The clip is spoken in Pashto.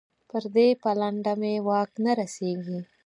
پر دې پلنډه مې واک نه رسېږي.